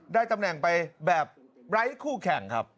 ได้ตำแหน่งไปแบบไร้คู่แข่งครับ